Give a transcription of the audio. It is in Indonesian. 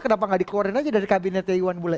kenapa tidak dikoren saja dari kabinetnya iwan bule